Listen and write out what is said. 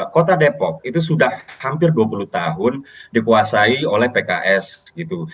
kota depok itu sudah hampir dua puluh tahun dikuasai oleh pks gitu